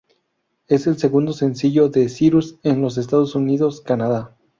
Es el segundo sencillo de Cyrus en los Estados Unidos, Canadá.